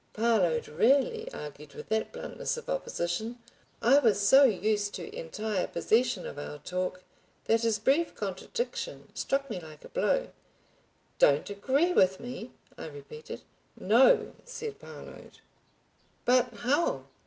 Parload rarely argued with that bluntness of opposition. I was so used to entire possession of our talk that his brief contradiction struck me like a blow. "Don't agree with me!" I repeated. "No," said Parload "But how?"